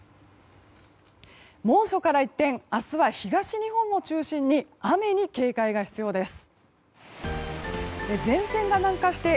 猛暑から一転明日は東日本を中心に雨に警戒が必要です。